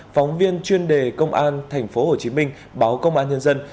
phóng viên chuyên đề công an thành phố hồ chí minh báo công an nhân dân